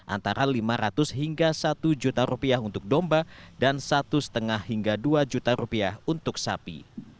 antara lima ratus hingga satu juta rupiah untuk domba dan satu lima hingga dua juta rupiah untuk sapi